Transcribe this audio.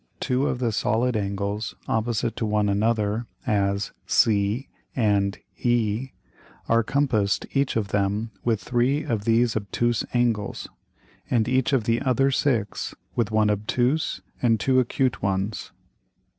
Two of the solid Angles opposite to one another, as C and E, are compassed each of them with three of these obtuse Angles, and each of the other six with one obtuse and two acute ones.